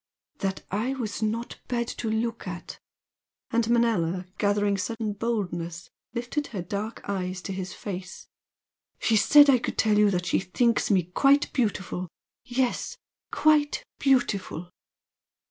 "That I was not bad to look at " and Manella, gathering sudden boldness, lifted her dark eyes to his face "She said I could tell you that she thinks me quite beautiful! Yes! quite beautiful!"